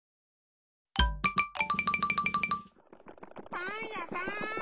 パンやさん。